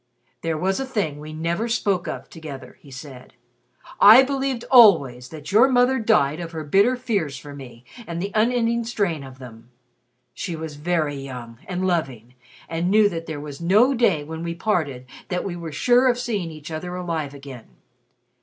"There was a thing we never spoke of together," he said. "I believed always that your mother died of her bitter fears for me and the unending strain of them. She was very young and loving, and knew that there was no day when we parted that we were sure of seeing each other alive again.